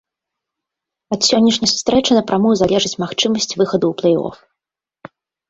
Ад сённяшняй сустрэчы напрамую залежыць магчымасць выхаду ў плэй-оф.